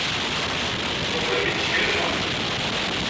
Baba-m yettgalla.